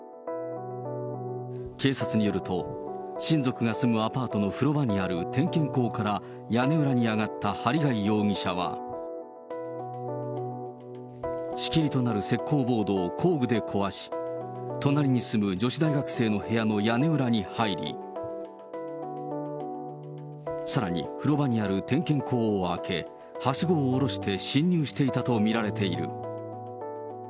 警察によると、親族が住むアパートの風呂場にある点検口から屋根裏に上がった針谷容疑者は、仕切りとなる石こうボードを工具で壊し、隣に住む女子大学生の部屋の屋根裏に入り、さらに風呂場にある点検口を開け、はしごを下ろして侵入していたと見られている。